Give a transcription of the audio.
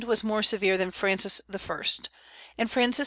was more severe than Francis I.; and Francis II.